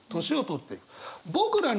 年を取っていく。